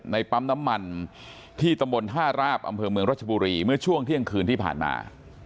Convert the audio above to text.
ปั๊มน้ำมันที่ตำบลท่าราบอำเภอเมืองรัชบุรีเมื่อช่วงเที่ยงคืนที่ผ่านมา